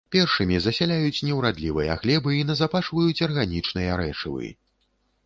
Першымі засяляюць неўрадлівыя глебы і назапашваюць арганічныя рэчывы.